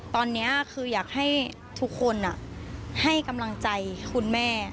ตอนนี้คืออยากให้ทุกคนให้กำลังใจคุณแม่